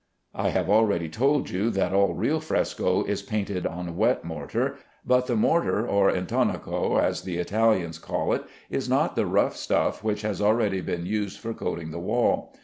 I have already told you that all real fresco is painted on wet mortar, but the mortar, or intonaco, as the Italians call it, is not the rough stuff which has already been used for coating the wall.